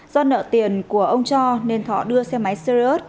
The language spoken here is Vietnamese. do nợ tiền của ông cho nên thọ đưa xe máy seriot